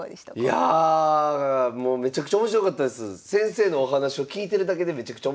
いやあめちゃくちゃ面白かったです。